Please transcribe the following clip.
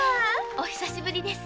お久しぶりです。